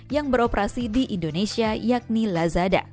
yang beroperasi di indonesia yakni lazada